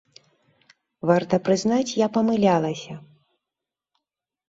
Варта прызнаць, я памылялася.